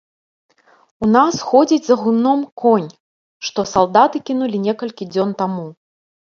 У нас ходзіць за гумном конь, што салдаты кінулі некалькі дзён таму.